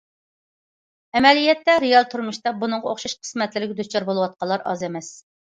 ئەمەلىيەتتە، رېئال تۇرمۇشتا بۇنىڭغا ئوخشاش قىسمەتلەرگە دۇچار بولۇۋاتقانلار ئاز ئەمەس.